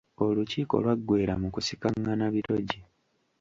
Olukiiko lw’aggweera mu kusikaղղana bitogi.